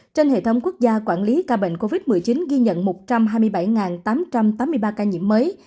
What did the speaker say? trên hệ thống quốc gia quản lý ca bệnh covid một mươi chín ghi nhận một trăm hai mươi bảy tám trăm tám mươi ba ca nhiễm mới